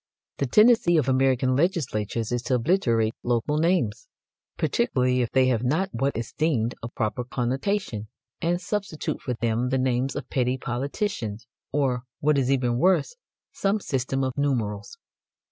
The tendency of American legislators is to obliterate local names, particularly if they have not what is deemed a proper connotation, and substitute for them the names of petty politicians or, what is even worse, some system of numerals.